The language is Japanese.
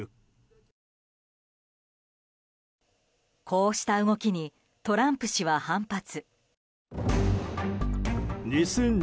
こうした動きにトランプ氏は反発。